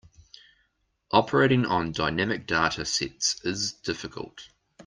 Operating on dynamic data sets is difficult.